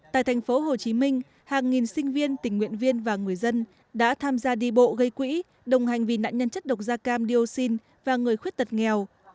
tại thành phố hồ chí minh hàng nghìn sinh viên tình nguyện viên và người dân đã tham gia đi bộ gây quỹ đồng hành vì nạn nhân chất độc da cam dioxin và người khuyết tật nghèo